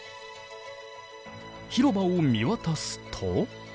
広場を見渡すと。